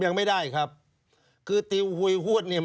ยังไม่ได้ครับคือเตี๊ยวหู้ยหววดมันหนีไปเสียก่อน